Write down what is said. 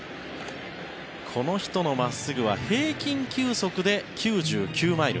この人の真っすぐは平均球速で９９マイル。